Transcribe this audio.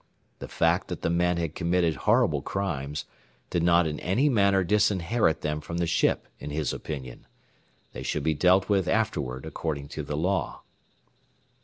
The fact that the men had committed horrible crimes did not in any manner disinherit them from the ship in his opinion. They should be dealt with afterward according to the law.